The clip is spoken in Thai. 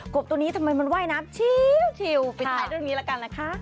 กบตัวนี้ทำไมมันไหวนะชิลล์ไปถ่ายตรงนี้แล้วกันนะคะ